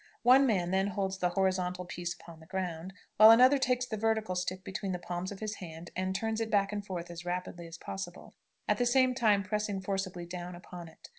One man then holds the horizontal piece upon the ground, while another takes the vertical stick between the palms of his hands, and turns it back and forth as rapidly as possible, at the same time pressing forcibly down upon it.